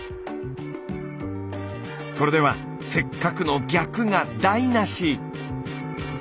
これではせっかくの「逆」が台なし。